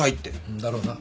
だろうな。